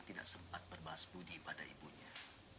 tidak sempat berbahas budi pada ibunya